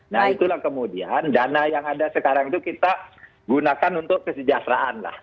nah itulah kemudian dana yang ada sekarang itu kita gunakan untuk kesejahteraan lah